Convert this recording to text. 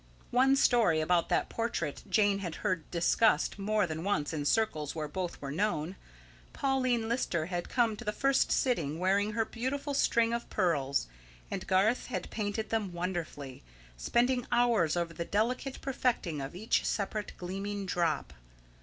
One story about that portrait Jane had heard discussed more than once in circles where both were known. Pauline Lister had come to the first sittings wearing her beautiful string of pearls, and Garth had painted them wonderfully, spending hours over the delicate perfecting of each separate gleaming drop.